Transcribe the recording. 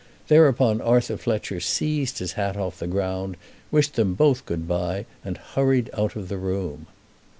Thereupon Arthur Fletcher seized his hat off the ground, wished them both good bye, and hurried out of the room.